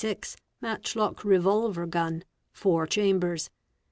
546, Matchlock revolver gun; four chambers.